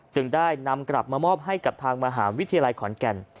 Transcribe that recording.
จึงได้นำกลับมามอบให้กับทางมหาวิทยาลัยขอนแก่น